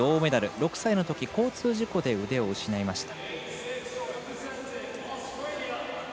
６歳のとき交通事故で腕を失いました。